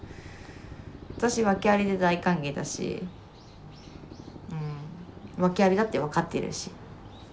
私ワケありで大歓迎だしうんワケありだって分かってるし。